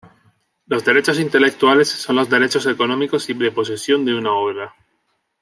Los derechos intelectuales son los derechos económicos y de posesión de una obra.